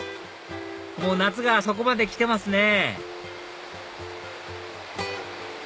もう夏がそこまで来てますね